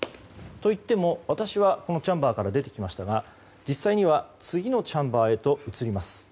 といっても私はチャンバーから出てきましたが実際には次のチャンバーへと移ります。